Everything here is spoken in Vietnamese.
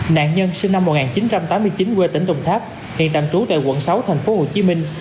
nạn nhân sinh năm một nghìn chín trăm tám mươi chín quê tỉnh đồng tháp hiện tạm trú tại quận sáu tp hcm